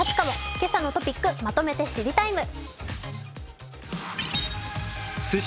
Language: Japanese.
「けさのトピックまとめて知りＴＩＭＥ，」。